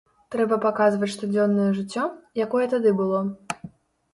Трэба паказваць штодзённае жыццё, якое тады было.